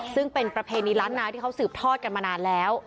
ซึ่งเป็นประเพณีล้านนาที่เขาสืบทอดกันมานานแล้ว